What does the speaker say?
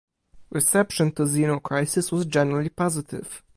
Reception to Xeno Crisis was generally positive.